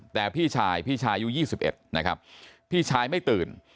แต่พี่ชายพี่ชายอายุ๒๑นะครับพี่ชายไม่ตื่น